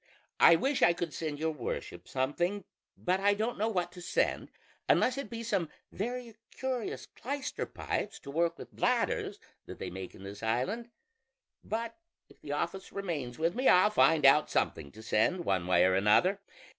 I wish I could send your worship something; but I don't know what to send, unless it be some very curious clyster pipes to work with bladders, that they make in this island; but if the office remains with me I'll find out something to send, one way or another.